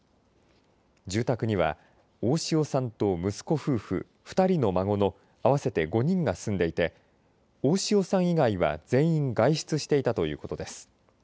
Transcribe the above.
住宅には大塩さんと息子夫婦２人の孫の合わせて５人が住んでいて大塩さん以外は全員外出していたということです。